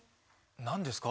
何ですか？